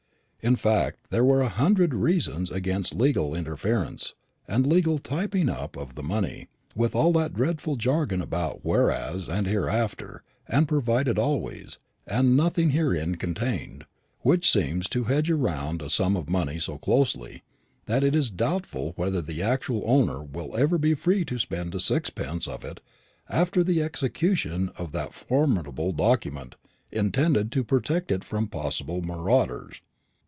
In fact, there were a hundred reasons against legal interference, and legal tying up of the money, with all that dreadful jargon about "whereas," and "hereinafter," and "provided always," and "nothing herein contained," which seems to hedge round a sum of money so closely, that it is doubtful whether the actual owner will ever be free to spend a sixpence of it after the execution of that formidable document intended to protect it from possible marauders.